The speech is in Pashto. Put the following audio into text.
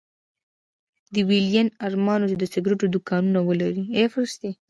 د ويلين ارمان و چې د سګرېټو دوکانونه ولري.